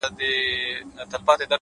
پښتې ستري تر سترو _ استثناء د يوې گوتي _